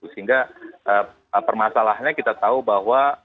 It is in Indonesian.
sehingga permasalahannya kita tahu bahwa